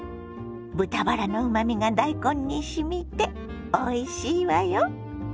豚バラのうまみが大根にしみておいしいわよ。